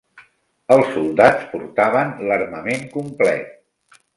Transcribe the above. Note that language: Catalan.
Els soldats portaven l'armament complet.